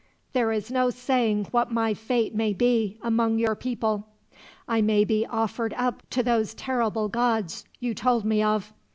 There is no saying what my fate may be, among your people. I may be offered up to those terrible gods you told me of.